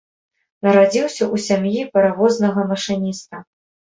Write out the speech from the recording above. Нарадзіўся ў сям'і паравознага машыніста.